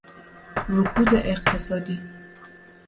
رکود اقتصادی